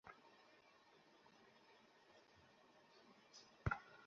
তিন বছরের একটি বাচ্চা ভূতের চরিত্র নিয়ে কাজ করি ক্যারিয়ারের শুরুতেই।